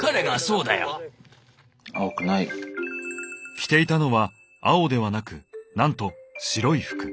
着ていたのは青ではなくなんと白い服。